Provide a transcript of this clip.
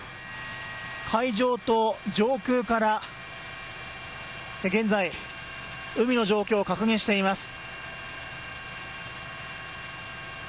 海上と上空から現在海の状況を確認しています。